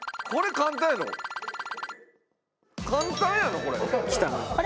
簡単やろこれ。